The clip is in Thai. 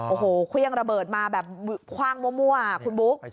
โอ้โหเครื่องระเบิดมาแบบคว่างมั่วคุณบุ๊ค